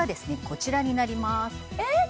こちらになりますえっ？